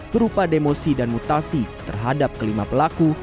berupa demosi dan mutasi terhadap kelima pelaku